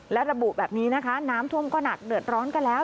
และระบุแบบนี้นะคะน้ำท่วมก็หนักเดือดร้อนกันแล้ว